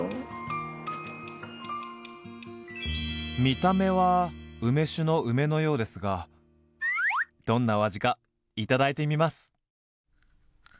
見た目は梅酒の梅のようですがどんなお味か頂いてみます！